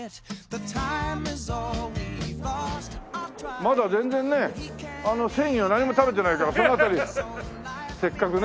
まだ全然ね鮮魚何も食べてないからこの辺りせっかくね。